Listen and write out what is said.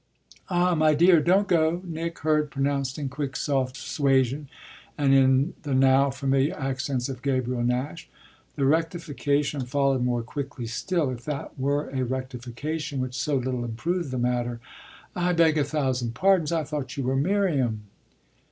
"Ah my dear, don't go!" Nick heard pronounced in quick, soft dissuasion and in the now familiar accents of Gabriel Nash. The rectification followed more quickly still, if that were a rectification which so little improved the matter: "I beg a thousand pardons I thought you were Miriam."